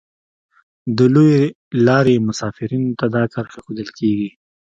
د لویې لارې مسافرینو ته دا کرښه ښودل کیږي